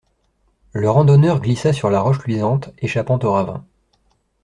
Le randonneur glissa sur la roche luisante, échappant au ravin.